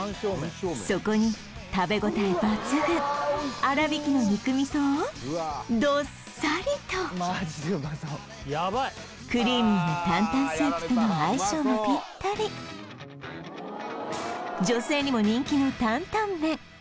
そこに食べごたえ抜群粗挽きの肉味噌をどっさりとクリーミーな担々スープとの相性もぴったり女性にも人気の担々麺